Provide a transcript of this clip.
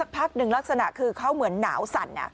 พักเดี๋ยวลักษณะเขาเหมือนหนาวสั่น